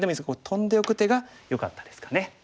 トンでおく手がよかったですかね。